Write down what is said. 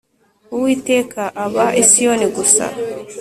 Uwiteka aba i Siyoni gusa